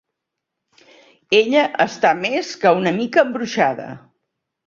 Ella està més que una mica embruixada.